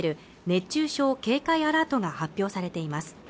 熱中症警戒アラートが発表されています